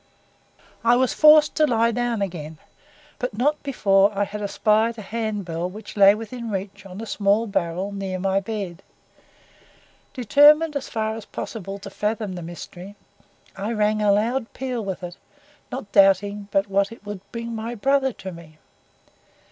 I was forced to lie down again, but not before I had espied a hand bell which lay within reach on a small barrel near my bed. Determined as far as possible to fathom the mystery, I rang a loud peal with it, not doubting but what it would bring my brother to me.